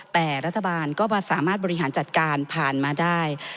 แต่รัฐบาลก็สามารถบริหารจัดการผ่านมาได้